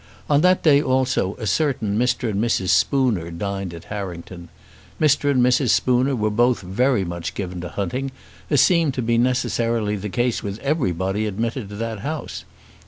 On that day also a certain Mr. and Mrs. Spooner dined at Harrington. Mr. and Mrs. Spooner were both very much given to hunting, as seemed to be necessarily the case with everybody admitted to that house.